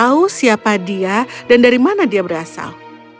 tahu siapa dia dan dari mana dia berasal